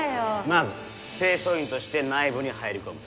まず清掃員として内部に入り込む。